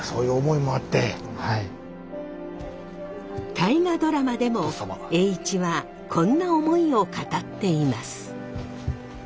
「大河ドラマ」でも栄一はこんな思いを語っています。